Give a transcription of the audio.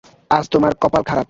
আজ তোমার কপাল খারাপ।